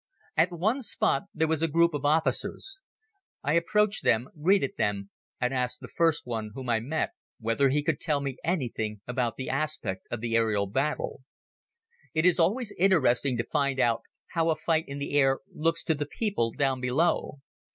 At one spot there was a group of officers. I approached them, greeted them, and asked the first one whom I met whether he could tell me anything about the aspect of the aerial battle. It is always interesting to find out how a fight in the air looks to the people down below.